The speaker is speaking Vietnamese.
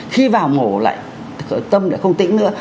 khi vào ngổ lại tâm lại không tĩnh nữa